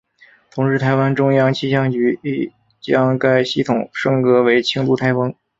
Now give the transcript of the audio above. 同时台湾中央气象局亦将该系统升格为轻度台风。